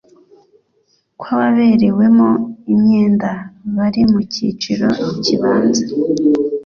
kw ababerewemo imyenda bari mu cyiciro kibanza